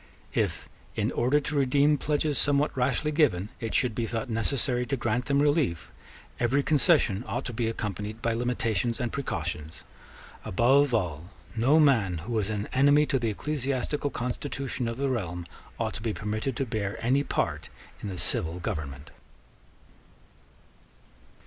If, in order to redeem pledges somewhat rashly given, it should be thought necessary to grant them relief, every concession ought to be accompanied by limitations and precautions. Above all, no man who was an enemy to the ecclesiastical constitution of the realm ought to be permitted to bear any part in the civil government.